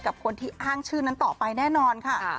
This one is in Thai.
กับคนที่อ้างชื่อนั้นต่อไปแน่นอนค่ะ